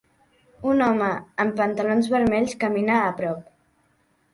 Un home amb pantalons vermells camina a prop.